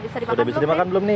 semua udah bisa dimakan belum nih